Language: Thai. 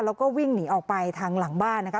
แล้วก็วิ่งหนีออกไปทางหลังบ้านนะคะ